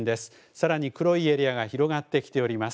さらに黒いエリアが広がってきております。